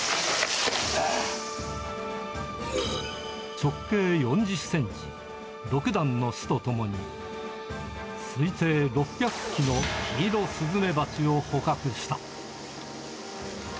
直径４０センチ、６段の巣と共に、推定６００匹のキイロスズメバチを捕獲した。